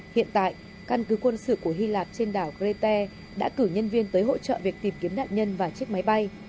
hiện tại căn cứ quân sự của hy lạp trên đảo grete đã cử nhân viên tới hỗ trợ việc tìm kiếm nạn nhân và chiếc máy bay